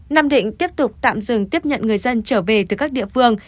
nam định tiếp tục tạm dừng tiếp nhận người dân trở về từ các địa phương